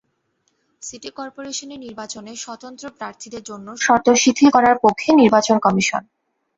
City corporation নির্বাচনে স্বতন্ত্র প্রার্থীদের জন্য শর্ত শিথিল করার পক্ষে নির্বাচন কমিশন।